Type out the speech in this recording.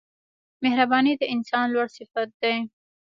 • مهرباني د انسان لوړ صفت دی.